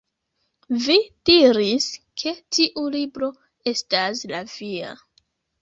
Vi diris ke tiu libro estas la via